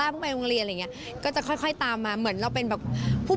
บุ๊คจะฟัดมากกว่าหนู